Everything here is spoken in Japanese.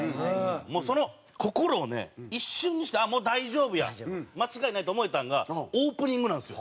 もうその心をね一瞬にしてもう大丈夫や間違いないって思えたんがオープニングなんですよ。